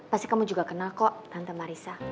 pasti kamu juga kenal kok tante marisa